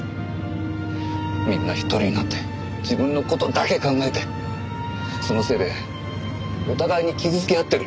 みんな一人になって自分の事だけ考えてそのせいでお互いに傷つけ合ってる。